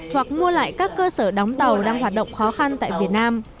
hoặc mua lại các cơ sở đóng tàu đang hoạt động khó khăn tại việt nam